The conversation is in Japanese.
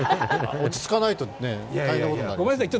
落ち着かないと大変なことになる。